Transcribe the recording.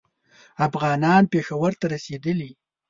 افغانان پېښور ته رسېدلي.